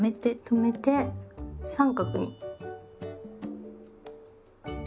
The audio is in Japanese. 止めて三角に。